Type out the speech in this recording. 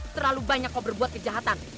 terlalu banyak kau berbuat kejahatan